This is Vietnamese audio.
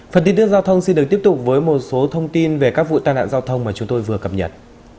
phần tin tức giao thông xin được tiếp tục với một số thông tin về các vụ tai nạn giao thông mà chúng tôi vừa cập nhật